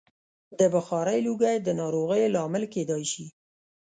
د بخارۍ لوګی د ناروغیو لامل کېدای شي.